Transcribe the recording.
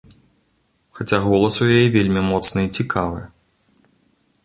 Хаця голас у яе вельмі моцны і цікавы.